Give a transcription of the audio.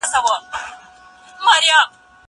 هغه څوک چي کار کوي منظم وي!؟